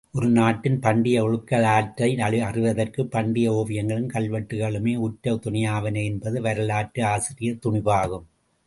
ஒரு நாட்டின் பண்டைய ஒழுகலாற்றை அறிதற்குப் பண்டைய ஓவியங்களும் கல்வெட்டுக்களுமே உற்ற துணையாவன என்பது வரலாற்றூசிரியர் துணிபாகும்.